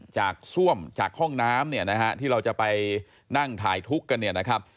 จากส้วมจากห้องน้ำที่เราจะไปนั่งถ่ายทุกข์กัน